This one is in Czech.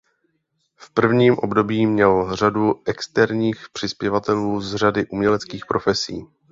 V prvním období měl řadu externích přispěvatelů z řady uměleckých profesí.